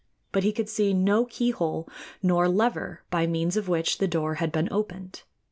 But he could see no keyhole nor lever by means of which the door had been opened.